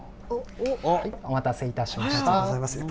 お待たせいたしました。